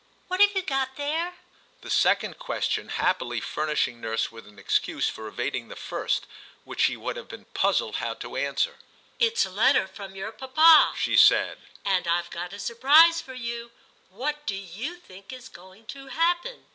What have you got there ?* The second question happily furnishing nurse with an excuse for evading the first, which she would have been puzzled how to answer, * It's a letter from your papa,* she said, *and Tve got a surprise for you; what do you think is going to happen